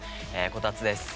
こたつです。